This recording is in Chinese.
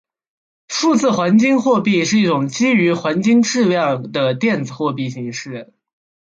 数字黄金货币是一种基于黄金质量的电子货币形式。